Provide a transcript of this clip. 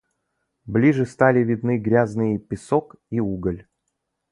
Ближе стали видны грязный песок и уголь.